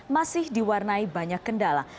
masih diwarnai banyak kendala